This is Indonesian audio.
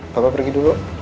papa pergi dulu